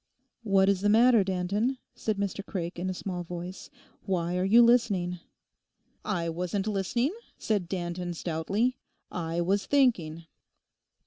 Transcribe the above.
'What is the matter, Danton?' said Mr Craik in a small voice; 'why are you listening?' 'I wasn't listening,' said Danton stoutly, 'I was thinking.